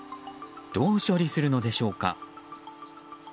どう処理するのでしょうか。